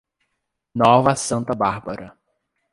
Nova Santa Bárbara